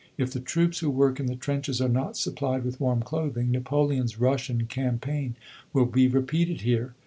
If the troops who work in the trenches are not supplied with warm clothing, Napoleon's Russian campaign will be repeated here."